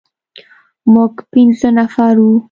موږ پنځه نفر وو.